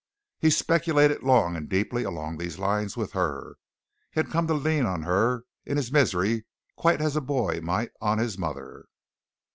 He speculated long and deeply along these lines with her. He had come to lean on her in his misery quite as a boy might on his mother.